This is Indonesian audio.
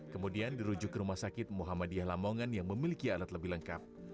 kemudian dirujuk ke rumah sakit muhammadiyah lamongan yang memiliki alat lebih lengkap